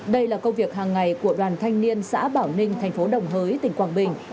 đây là công việc hàng ngày của đoàn thanh niên xã bảo ninh thành phố đồng hới tỉnh quảng bình